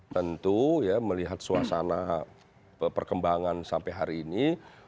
tentu ya melihat suasana perkembangan sampai hari ini